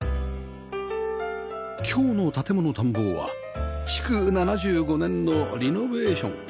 今日の『建もの探訪』は築７５年のリノベーション